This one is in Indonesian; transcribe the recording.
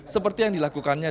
seperti yang dilakukannya